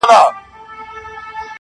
پخپله ورک یمه چي چیري به دي بیا ووینم٫